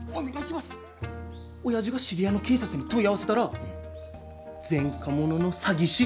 親父が知り合いの警察に問い合わせたら前科者の詐欺師。